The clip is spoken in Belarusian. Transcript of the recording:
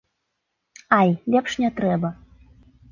Ай, лепш не трэба!